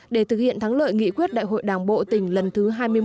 để thực hiện thắng lợi nghị quyết đại hội đảng bộ tỉnh lần thứ hai mươi một